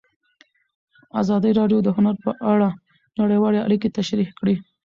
ازادي راډیو د هنر په اړه نړیوالې اړیکې تشریح کړي.